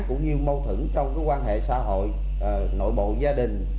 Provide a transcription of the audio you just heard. cũng như mâu thuẫn trong cái quan hệ xã hội nội bộ gia đình